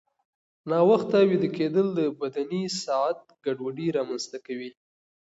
ناوخته ویده کېدل د بدني ساعت ګډوډي رامنځته کوي.